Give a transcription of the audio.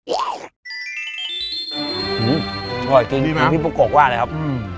อร่อยกินอย่างพี่ปกโกะว่าเลยครับ